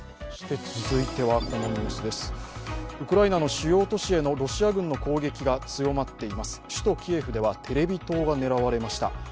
そして、続いてはウクライナの主要都市への攻撃が強まっています、首都キエフではテレビ塔が狙われました。